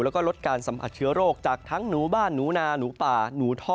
แล้วก็ลดการสัมผัสเชื้อโรคจากทั้งหนูบ้านหนูนาหนูป่าหนูท่อ